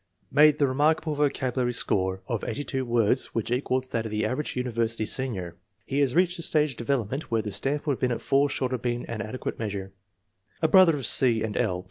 made the remarkable vocabulary score of 82 words, which equals that of the average university senior. He has reached a stage of development where the Stanford Binet falls short of being an adequate measure. I A brother of C. and L.